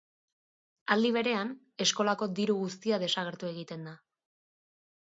Aldi berean, eskolako diru guztia desagertu egiten da.